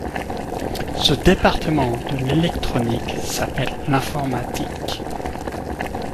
Ce département de l’électronique s’appelle l’informatique.